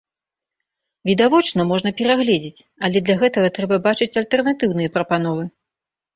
Відавочна, можна перагледзець, але для гэтага трэба бачыць альтэрнатыўныя прапановы.